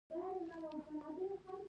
د خلکو له واړو تېروتنو له امله مه تېرېږئ.